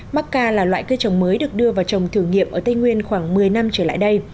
macca là loại cây trồng mới được đưa vào trồng thử nghiệm ở tây nguyên khoảng một mươi năm trở lại đây